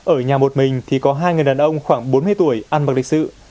ở nhà một mình thì có hai người đàn ông khoảng bốn mươi tuổi ăn bằng lịch sự